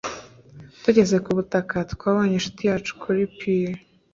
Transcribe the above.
Tugeze ku butaka twabonye inshuti yacu kuri pir